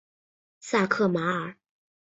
萨克马尔。